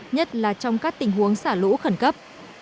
nhất là trong các tình huống xả lũ khẩn cấp